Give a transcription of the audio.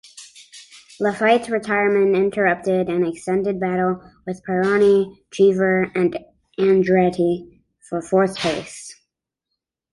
Laffite's retirement interrupted an extended battle with Pironi, Cheever and Andretti for fourth place.